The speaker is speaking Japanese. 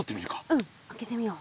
うん開けてみよう。